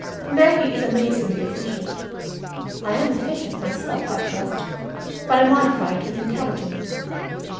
Maggie is amazingly efficient. I am efficient myself, I trust, but I modify it with intelligence.